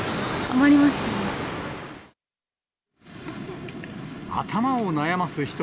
困りますね。